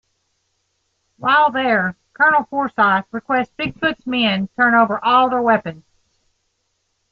While there, Colonel Forsyth requests Big Foot's men turn over all their weapons.